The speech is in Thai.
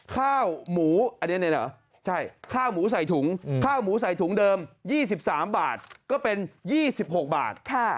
ข้าวหมูใส่ถุงเดิม๒๓บาทก็เป็น๒๖บาท